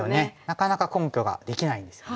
なかなか根拠ができないんですよね。